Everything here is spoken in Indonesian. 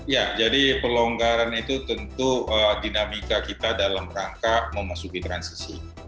ya jadi pelonggaran itu tentu dinamika kita dalam rangka memasuki transisi